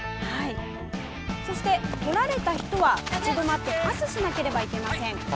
そして取られた人は立ち止まってパスしなければいけません。